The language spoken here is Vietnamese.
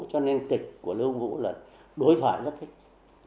cho nên kịch của lưu quang vũ là đối thoại rất thích